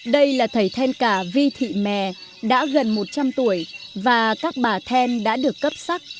đây là thầy then cả vi thị mè đã gần một trăm linh tuổi và các bà then đã được cấp sắc